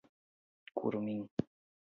kurumin